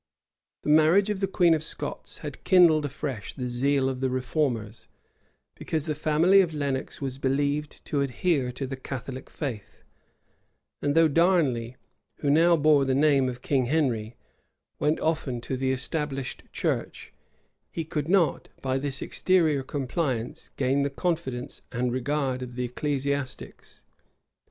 [*] The marriage of the queen of Scots had kindled afresh the zeal of the reformers, because the family of Lenox was believed to adhere to the Catholic faith; and though Darnley, who now bore the name of King Henry, went often to the established church, he could not, by this exterior compliance, gain the confidence and regard of the ecclesiastics.